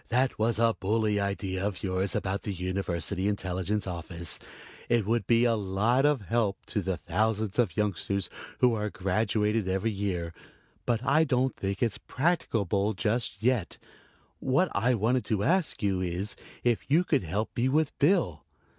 "That was a bully idea of yours about the University Intelligence Office. It would be a lot of help to the thousands of youngsters who are graduated every year but I don't think it's practicable just yet. What I wanted to ask you is if you could help me with Bill?"